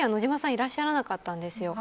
いらっしゃらなかったんですよ。